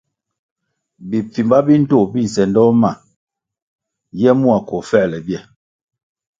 Bipfimba bi ndtoh bi nsendoh ma ye mua koh fuerle bie.